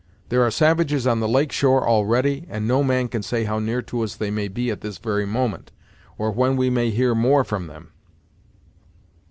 There are savages on the lake shore already, and no man can say how near to us they may be at this very moment, or when we may hear more from them!"